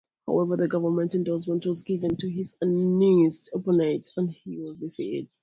However, the government's endorsement was given to his Unionist opponent, and he was defeated.